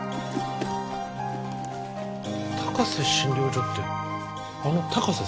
高瀬診療所ってあの高瀬先生？